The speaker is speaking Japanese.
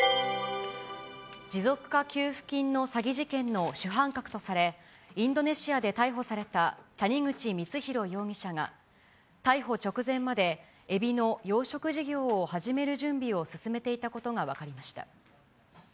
持続化給付金の詐欺事件の主犯格とされ、インドネシアで逮捕された谷口光弘容疑者が、逮捕直前まで、エビの養殖事業を始める準備を進めていたことが分かりました。